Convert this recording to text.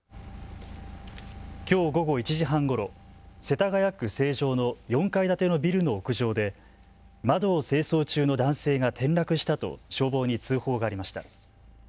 きょう午後１時半ごろ、世田谷区成城の４階建てのビルの屋上で窓を清掃中の男性が転落したと消防に通報がありました。